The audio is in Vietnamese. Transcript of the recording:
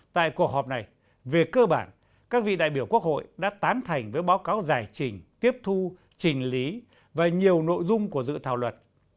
tại cuộc họp này về cơ bản các vị đại biểu quốc hội đã tán thành với báo cáo giải trình tiếp thu trình lý và nhiều nội dung của dự thảo luật